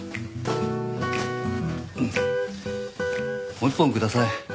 もう一本ください。